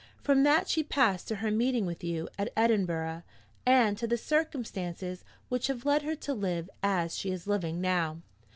From that she passed to her meeting with you at Edinburgh, and to the circumstances which have led her to live as she is living now.